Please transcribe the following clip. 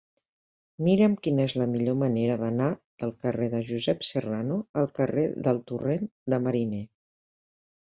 Mira'm quina és la millor manera d'anar del carrer de Josep Serrano al carrer del Torrent de Mariner.